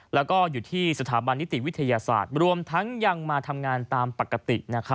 แล้วก็อยู่ที่สถาบันนิติวิทยาศาสตร์รวมทั้งยังมาทำงานตามปกติ